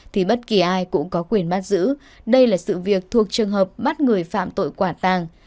thì bất kỳ ai cũng có quyền bắt giữ đây là sự việc thuộc trường hợp bắt người phạm tội quả tàng